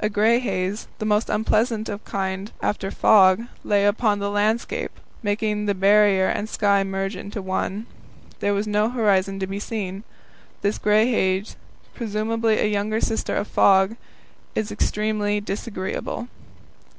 A grey haze, the most unpleasant kind of light after fog, lay upon the landscape, making the Barrier and the sky merge into one. There was no horizon to be seen. This grey haze, presumably a younger sister of fog, is extremely disagreeable.